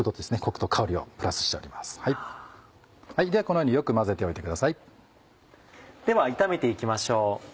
このようによく混ぜておいてください。では炒めて行きましょう。